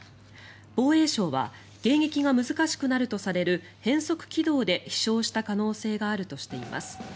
防衛省は迎撃が難しくなるとされる変則軌道で飛翔した可能性があるとしています。